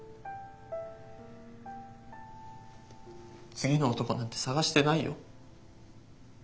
次の男なんて探してないよ。